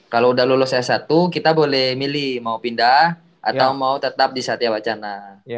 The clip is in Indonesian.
kalo udah lulus s satu kita boleh milih mau pindah atau mau tetap di satewacana